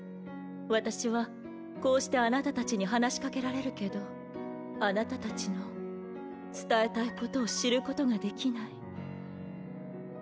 私はこうしてあなたたちに話しかけられるけどあなたたちの伝えたいことを知ることができない。